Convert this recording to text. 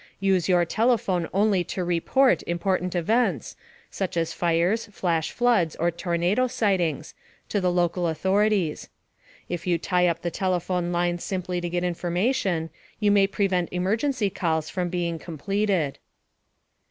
Use your telephone only to report important events (such as fires, flash floods, or tornado sightings) to the local authorities. If you tie up the telephone lines simply to get information, you may prevent emergency calls from being completed.